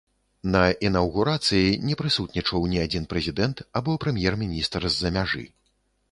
На інаўгурацыі не прысутнічаў ні адзін прэзідэнт або прэм'ер-міністр з-за мяжы.